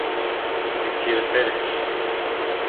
Michi rétere.